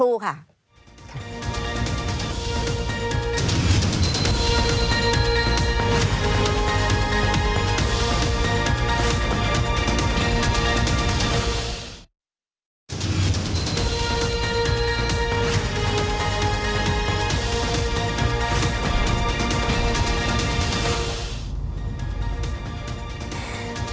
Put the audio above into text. ติดตามดสสมศรีครับ